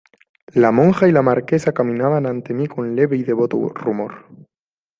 la monja y la Marquesa caminaban ante mí con leve y devoto rumor.